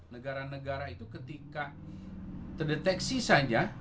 negara negara itu ketika terdeteksi saja